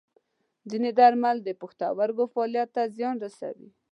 ځینې درمل د پښتورګو فعالیت ته زیان رسوي.